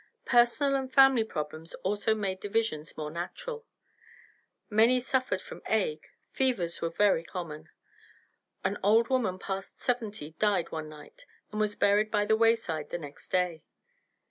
Personal and family problems also made divisions more natural. Many suffered from ague; fevers were very common. An old woman past seventy died one night and was buried by the wayside the next day.